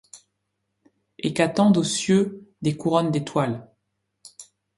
Et qu'attendent aux cieux des couronnes d'étoiles !